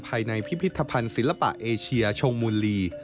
ภายในพิพิธภัณฑ์ศิลปะเอเชียชงมูลลี